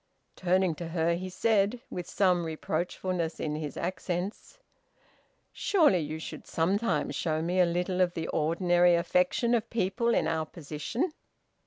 Turning to her, he said, with some reproachfulness in his accents, "Surely you should sometimes show me a little of the ordinary affection of people in our position!"